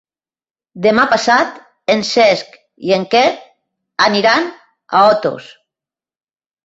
Demà passat en Cesc i en Quer aniran a Otos.